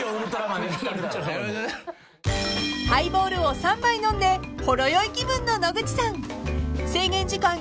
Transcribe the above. ［ハイボールを３杯飲んでほろ酔い気分の野口さん］